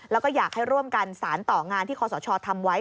แล้วก็อยากให้ร่วมกันสารต่องานที่คอสชทำไว้